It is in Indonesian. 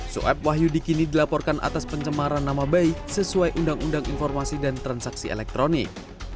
soeb wahyudi kini dilaporkan atas pencemaran nama baik sesuai undang undang informasi dan transaksi elektronik